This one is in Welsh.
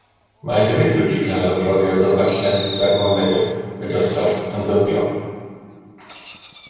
Mae hefyd wedi cael y profiad o ddarllen thermomedr y dosbarth yn ddyddiol